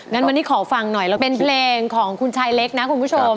งั้นวันนี้ขอฟังหน่อยแล้วเป็นเพลงของคุณชายเล็กนะคุณผู้ชม